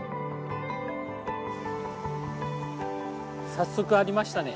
早速ありましたね。